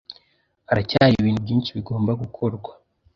Haracyari ibintu byinshi bigomba gukorwa.